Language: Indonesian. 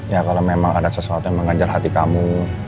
ya kalau memang ada sesuatu yang mengejar hati kamu